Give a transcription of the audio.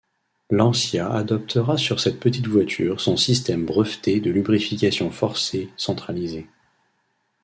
Lancia adoptera sur cette petite voiture son système breveté de lubrification forcée centralisée.